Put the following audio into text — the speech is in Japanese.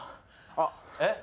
あっ。えっ？